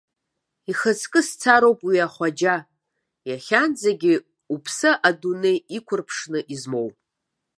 Ихаҵкы сцароуп уи ахәаџьа, иахьанӡагьы уԥсы адунеи иқәырԥшны измоу.